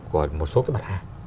của một số cái mặt hàng